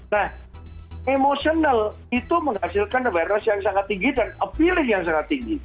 nah emosional itu menghasilkan awareness yang sangat tinggi dan appealing yang sangat tinggi